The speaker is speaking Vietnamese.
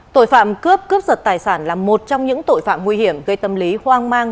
tội phạm cướp cướp giật tài sản là một trong những tội phạm nguy hiểm gây tâm lý hoang mang